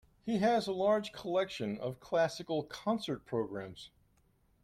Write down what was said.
He has a large collection of classical concert programmes